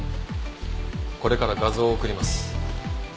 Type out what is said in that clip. これから画像を送ります。